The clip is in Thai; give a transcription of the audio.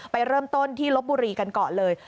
ไปเริ่มต้นที่ลบบุรีกันก่อนเลย